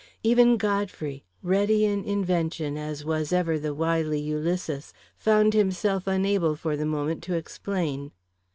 Even Godfrey, ready in invention as was ever the wily Ulysses, found himself unable, for the moment, to explain.